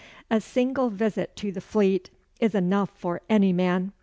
A single visit to the Fleet is eneuch for any man.